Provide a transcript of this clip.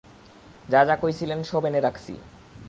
যা যা কইসিলেন সব এনে রাখসি!